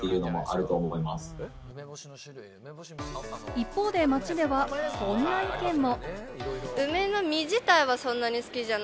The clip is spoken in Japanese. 一方で街ではこんな意見も。